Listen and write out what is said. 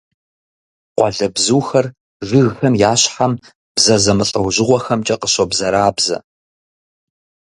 Къуалэбзухэр жыгхэм я щхьэм бзэ зэмылӀэужьыгъуэхэмкӀэ къыщобзэрабзэ.